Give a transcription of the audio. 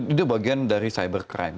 itu bagian dari cybercrime